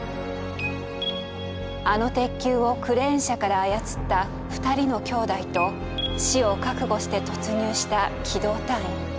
あの鉄球をクレーン車から操った２人の兄弟と死を覚悟して突入した機動隊員。